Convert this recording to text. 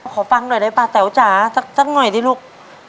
ฟังหน่อยได้ป้าแต๋วจ๋าสักหน่อยดิลูก